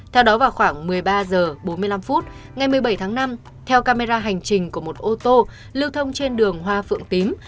theo đó vào khoảng một mươi ba h bốn mươi năm phút ngày một mươi bảy tháng năm theo camera hành trình của một ô tô lưu thông trên đường hoa phượng tím